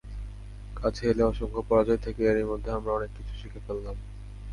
কাছে এলে অসংখ্য পরাজয় থেকে এরই মধ্যে আমরা অনেক কিছু শিখে ফেললাম।